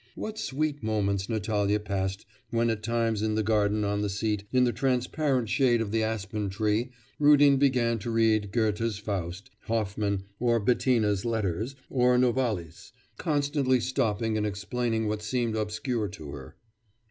What sweet moments Natalya passed when at times in the garden on the seat, in the transparent shade of the aspen tree, Rudin began to read Goethe's Faust, Hoffman, or Bettina's letters, or Novalis, constantly stopping and explaining what seemed obscure to her.